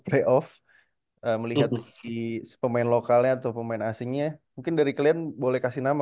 layoff melihat pemain lokalnya atau pemain asingnya mungkin dari kalian boleh kasih nama